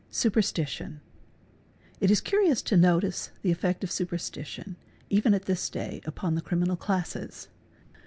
SUPERSTITION®, It is curious to notice the effect of superstition, even at this day, upon the criminal classes.